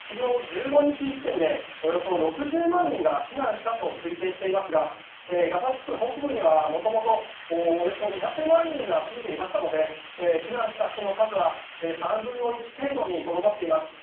イスラエル軍の発表では昨日１５日時点でおよそ６０万人が避難したと推定していますがガザ地区北部にはもともとおよそ２００万人が住んでいましたので避難した人の数は３分の１程度にとどまっています。